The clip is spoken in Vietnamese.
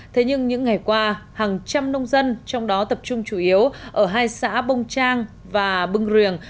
thế nhưng những ngày qua hàng trăm nông dân trong đó tập trung chủ yếu ở hai xã bông trang và bưng riềng